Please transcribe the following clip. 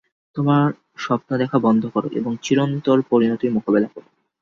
তোমার স্বপ্ন দেখা বন্ধ করো এবং চিরন্তর পরিণতির মোকাবিলা করো।